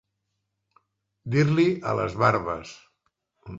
Dir-li a les barbes.